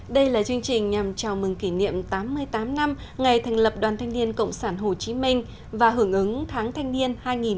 đây là chương trình nhằm chào mừng kỷ niệm tám mươi tám năm ngày thành lập đoàn thanh niên cộng sản hồ chí minh và hưởng ứng tháng thanh niên hai nghìn một mươi chín